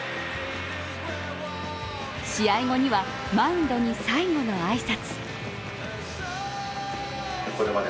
試合後にはマウンドに最後の挨拶。